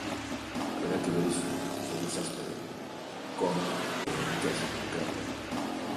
Haberá que ver iso, sobre o céspede, como e en que se concreta.